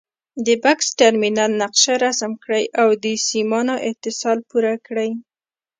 د بکس ټرمینل نقشه رسم کړئ او د سیمانو اتصال پوره کړئ.